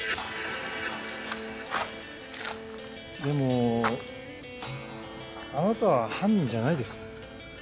でもあなたは犯人じゃないです。